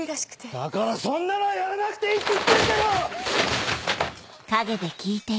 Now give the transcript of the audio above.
だからそんなのやらなくていいって言ってるだろ‼